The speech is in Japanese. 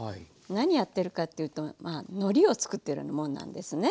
何やってるかっていうとのりを作ってるもんなんですね。